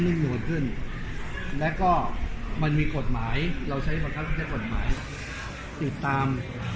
นึงโหดขึ้นแล้วก็มันมีกฎหมายเราใช้ประทับประเทศกฎหมายติดตาม